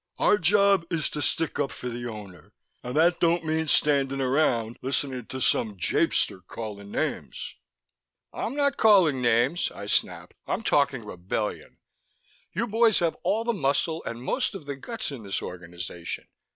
"Our job is to stick up for the Owner ... and that don't mean standing around listening to some japester callin' names." "I'm not calling names," I snapped. "I'm talking rebellion. You boys have all the muscle and most of the guts in this organization.